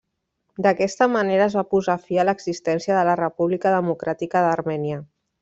D'aquesta manera es va posar fi a l'existència de la República Democràtica d'Armènia.